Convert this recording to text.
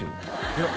いや